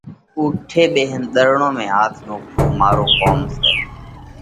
اُوٺي ٻيهينَ ۮرڙون ۾ هاٿ نوکوَو، مارو ڪوم سئہ۔